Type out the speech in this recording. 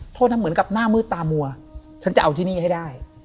โทษนะเหมือนกับหน้ามืดตามัวฉันจะเอาที่นี่ให้ได้